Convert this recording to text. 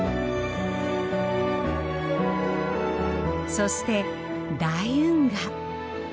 そして大運河。